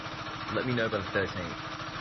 Let me know by the thirteenth.